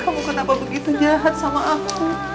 kamu kenapa begitu jahat sama aku